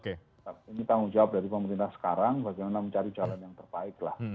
ini tanggung jawab dari pemerintah sekarang bagaimana mencari jalan yang terbaik lah